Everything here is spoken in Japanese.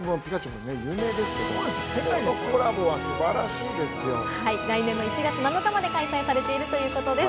『ポケモン』もピカチュウも有名ですから、このコラボは素晴来年の１月７日まで開催されているということです。